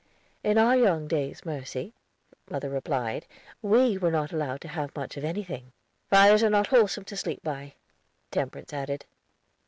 "In our young days, Mercy," mother replied, "we were not allowed to have much of anything." "Fires are not wholesome to sleep by," Temperance added.